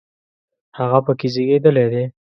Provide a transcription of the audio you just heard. هغه په کې زیږېدلی دی.